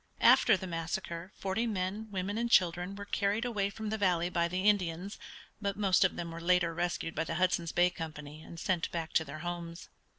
After the massacre forty men, women, and children were carried away from the valley by the Indians, but most of them were later rescued by the Hudson's Bay Company and sent back to their homes.